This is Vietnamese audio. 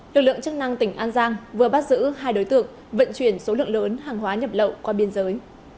lực lượng chức năng tỉnh an giang vừa bắt giữ hai đối tượng vận chuyển số lượng lớn hàng hóa nhập lậu qua biên giới